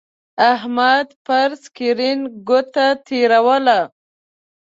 احمد پر سکرین گوته تېروله.